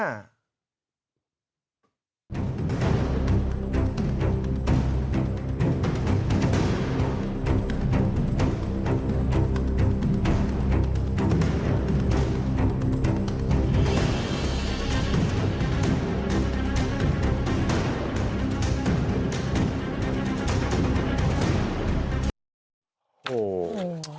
โห